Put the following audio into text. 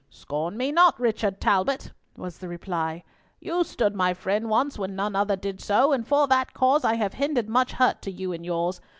"Scorn me not, Richard Talbot," was the reply; "you stood my friend once when none other did so, and for that cause have I hindered much hurt to you and yours.